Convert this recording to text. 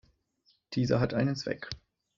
Diese hat einen Zweck.